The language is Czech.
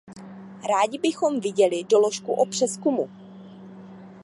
Rádi bychom viděli doložku o přezkumu.